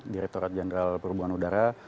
direkturat jenderal perhubungan udara